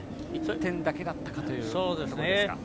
１点だけだったかというところでしょうか。